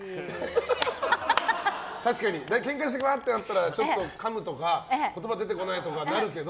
確かにケンカしてワーッてなったらちょっと、かむとか言葉出てこないとかあるけど。